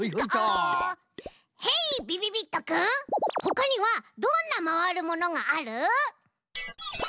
へいびびびっとくんほかにはどんなまわるものがある？